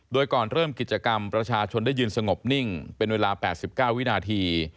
โดยก่อนเริ่มกิจกรรมประชาชนได้ยืนสงบนิ่งเป็นเวลา๘๙วินาที